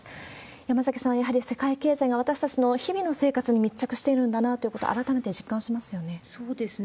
山崎さん、やはり世界経済も私たちの日々の生活に密着しているんだなというそうですね。